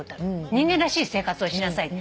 「人間らしい生活をしなさい」って。